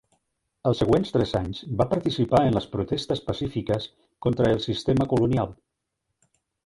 Els següents tres anys va participar en les protestes pacífiques contra el sistema colonial.